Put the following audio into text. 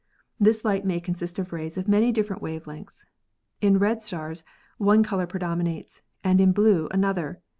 This light may consist of rays of many different wave lengths. In red stars one color predominates and in the blue another.